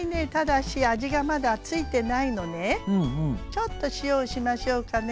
ちょっと塩をしましょうかね。